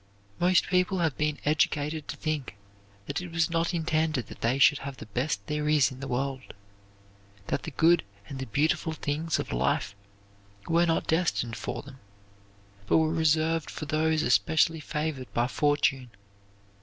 Most people have been educated to think that it was not intended they should have the best there is in the world; that the good and the beautiful things of life were not designed for them, but were reserved for those especially favored by fortune.